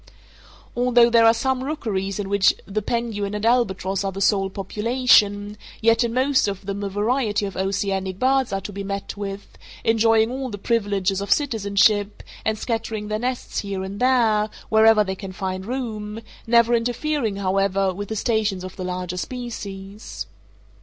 Although there are some rookeries in which the penguin and albatross are the sole population, yet in most of them a variety of oceanic birds are to be met with, enjoying all the privileges of citizenship, and scattering their nests here and there, wherever they can find room, never interfering, however, with the stations of the larger species.